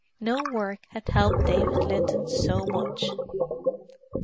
No work had helped David Linton so much.